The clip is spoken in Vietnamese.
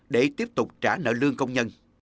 để tiếp tục trả nợ lương công nhân